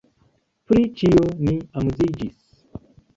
Pri ĉio ni amuziĝis.